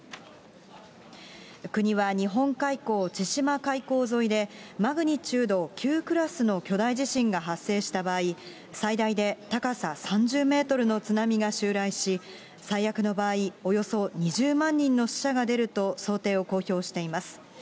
国は日本海溝・千島海溝沿いで、マグニチュード９クラスの巨大地震が発生した場合、最大で高さ３０メートルの津波が襲来し、最悪の場合、およそ２０万人の死者が出ると想定を公表しています。